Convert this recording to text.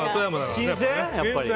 新鮮。